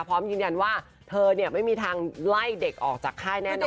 พร้อมยืนยันว่าเธอไม่มีทางไล่เด็กออกจากค่ายแน่นอน